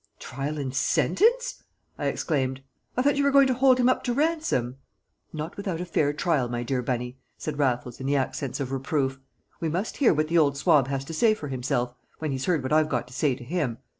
"Trial and sentence!" I exclaimed. "I thought you were going to hold him up to ransom?" "Not without a fair trial, my dear Bunny," said Raffles in the accents of reproof. "We must hear what the old swab has to say for himself, when he's heard what I've got to say to him.